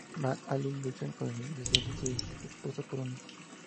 Van Alden lucha con el deseo de su esposa por un hijo.